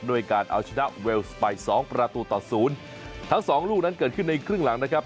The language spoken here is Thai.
ด้วยการเอาชนะเวลส์ไปสองประตูต่อศูนย์ทั้งสองลูกนั้นเกิดขึ้นในครึ่งหลังนะครับ